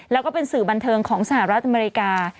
แล้วก็เป็นสื่อบันเทิงของสหรัฐอเมริกา